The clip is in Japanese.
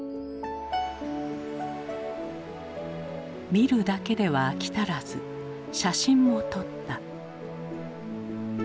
見るだけでは飽き足らず写真も撮った。